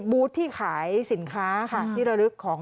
บูธที่ขายสินค้าค่ะที่ระลึกของ